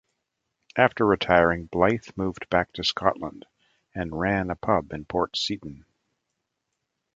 After retiring, Blyth moved back to Scotland, and ran a pub in Port Seton.